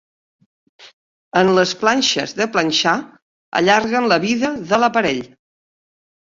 En les planxes de planxar allarguen la vida de l'aparell.